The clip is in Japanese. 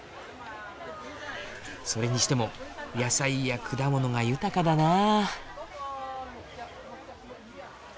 それにしても野菜や果物が豊かだなあ。